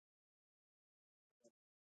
جينکۍ ځان له بنګړي خوښوي